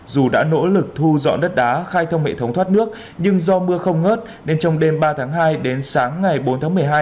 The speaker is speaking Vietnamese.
dù đã nỗ lực thu dọn đất đá khai thông hệ thống thoát nước nhưng do mưa không ngớt nên trong đêm ba tháng hai đến sáng ngày bốn tháng một mươi hai